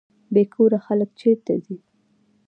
بې کوره خلک چیرته ځي؟